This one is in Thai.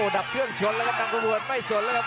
ดับเครื่องชนแล้วครับทางตำรวจไม่สนแล้วครับ